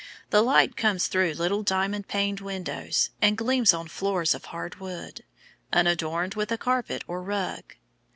The light comes through little diamond paned windows, and gleams on floors of hard wood, unadorned with carpet or rug.